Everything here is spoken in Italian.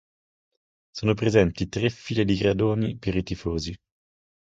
Sono presenti tre file di gradoni per i tifosi.